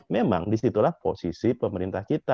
memang di situlah posisi pemerintah kita